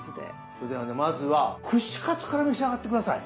それではねまずは串カツから召し上がって下さい。